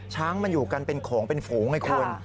ช้างมันอยู่กันเป็นโขงเป็นฝูงไงคุณ